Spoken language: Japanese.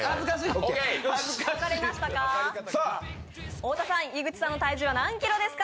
太田さん、井口さんの体重は何キロですか？